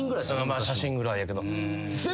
まあ写真ぐらいやけど。